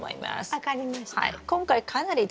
分かりました。